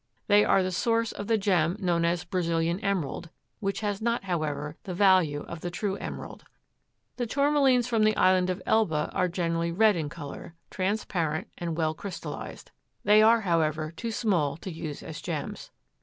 They are the source of the gem known as Brazilian Emerald, which has not, however, the value of the true emerald. The Tourmalines from the island of Elba are generally red in color, transparent and well crystallized. They are, however, too small to use as gems.